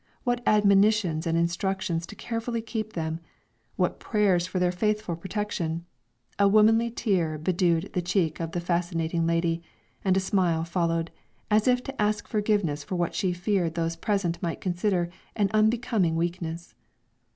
What admonitions and instructions to carefully keep them; what prayers for their faithful protection; a womanly tear bedewed the cheek of the fascinating lady, and a smile followed, as if to ask forgiveness for what she feared those present might consider an unbecoming weakness.